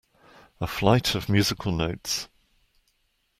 A flight of musical notes.